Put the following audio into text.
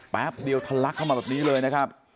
แป๊บเดียวทะลักเข้ามาแบบนี้เลยนะครับ